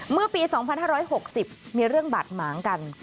เมื่อปี๒๕๖๐มีเรื่องบาดหมางกัน